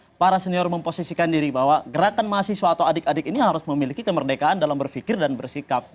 karena para senior memposisikan diri bahwa gerakan mahasiswa atau adik adik ini harus memiliki kemerdekaan dalam berpikir dan bersikap